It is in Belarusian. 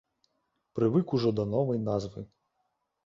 Прывык ужо да новай назвы.